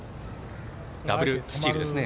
ダブルスチールですね。